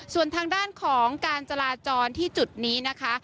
ส่วนทางด้านของการจราจรที่จุดนี้นะคะ